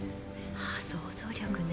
想像力ね。